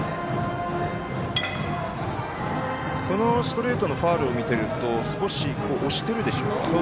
ストレートのファウルを見ていると少し押しているでしょうか。